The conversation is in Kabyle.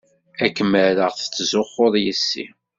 Ad kem-rreɣ tettzuxxuḍ yess-i.